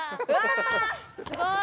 すごい！